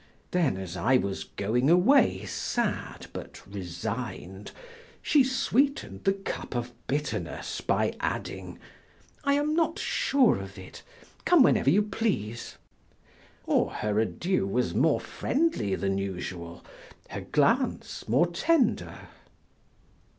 Then as I was going away sad, but resigned, she sweetened the cup of bitterness by adding: "I am not sure of it, come whenever you please;" or her adieu was more friendly than usual, her glance more tender.